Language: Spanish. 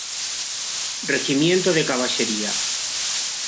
Regimiento de Caballería.